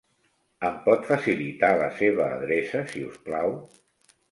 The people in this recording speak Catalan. Em pot facilitar la seva adreça, si us plau?